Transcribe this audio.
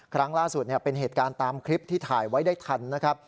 ครั้งล่าสุดเป็นเหตุการณ์ตามคลิปที่ถ่ายไว้ได้ทันนะครับ